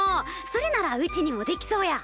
それならうちにもできそうや。